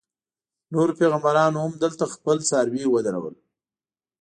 نورو پیغمبرانو هم دلته خپل څاروي ودرول.